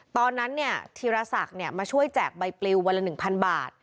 ตอนนั้นธีรศักดิ์มาช่วยแจกใบปลิววันละ๑๐๐บาท